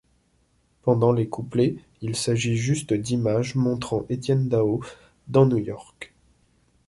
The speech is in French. Pendant les couplets, il s'agit juste d'images montrant Étienne Daho, dans New-York.